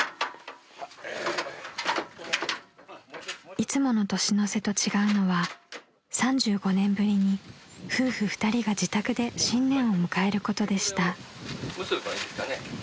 ［いつもの年の瀬と違うのは３５年ぶりに夫婦二人が自宅で新年を迎えることでした］